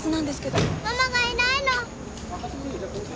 ママがいないの。